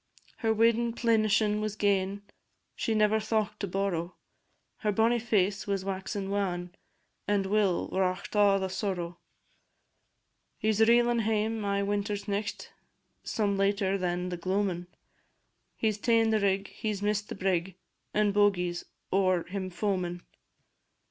Her weddin' plenishin' was gane, She never thocht to borrow: Her bonnie face was waxin' wan And Will wrought a' the sorrow. He 's reelin' hame ae winter's nicht, Some later than the gloamin'; He 's ta'en the rig, he 's miss'd the brig, And Bogie 's ower him foamin'.